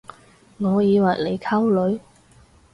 我以為你溝女